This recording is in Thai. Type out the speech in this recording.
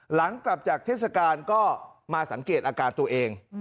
หลังกลับจากเทศกาลก็มาสังเกตอาการตัวเอง